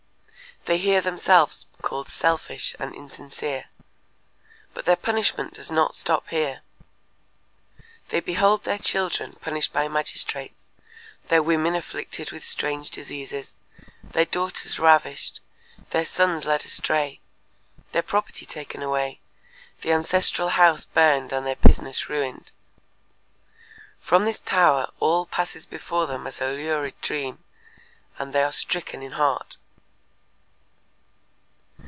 They hear themselves called selfish and insincere. But their punishment does not stop here. They behold their children punished by magistrates, their women afflicted with strange diseases, their daughters ravished, their sons led astray, their property taken away, the ancestral house burned and their business ruined. From this tower all passes before them as a lurid dream and they are stricken in heart.